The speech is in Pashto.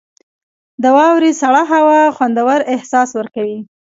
• د واورې سړه هوا خوندور احساس ورکوي.